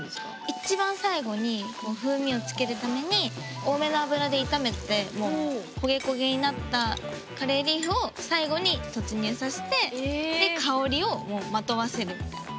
一番最後に風味をつけるために多めの油で炒めて焦げ焦げになったカレーリーフを最後に突入さして香りをまとわせるみたいな。